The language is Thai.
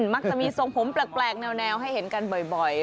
มักจะมีทรงผมแปลกแนวให้เห็นกันบ่อย